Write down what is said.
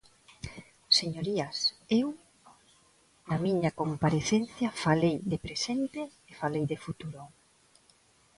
Señorías, eu, na miña comparecencia, falei de presente e falei de futuro.